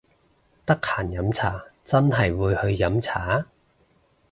得閒飲茶真係會去飲茶！？